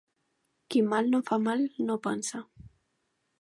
Qui mal no fa mal no pensa